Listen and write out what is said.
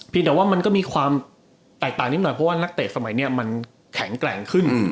แต่ว่ามันก็มีความแตกต่างนิดหน่อยเพราะว่านักเตะสมัยนี้มันแข็งแกร่งขึ้น